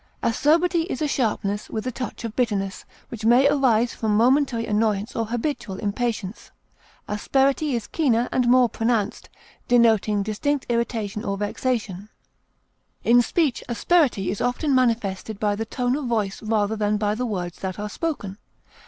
causticity, Acerbity is a sharpness, with a touch of bitterness, which may arise from momentary annoyance or habitual impatience; asperity is keener and more pronounced, denoting distinct irritation or vexation; in speech asperity is often manifested by the tone of voice rather than by the words that are spoken.